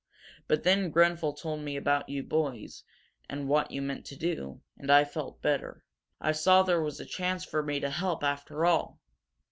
But then Grenfel told me about you boys, and what you meant to do, and I felt better. I saw that there was a chance for me to help, after all.